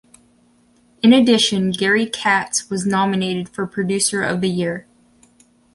In addition, Gary Katz was nominated for Producer of the Year.